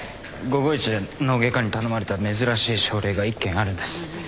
午後一で脳外科に頼まれた珍しい症例が一件あるんです。